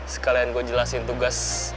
sekalian gue jelasin tugas